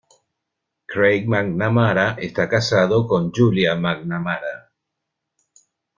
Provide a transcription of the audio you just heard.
Craig McNamara está casado con Julia McNamara.